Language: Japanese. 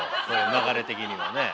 流れ的にはねえ。